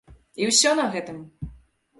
І ўсё на гэтым!